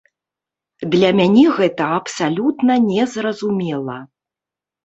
Для мяне гэта абсалютна не зразумела.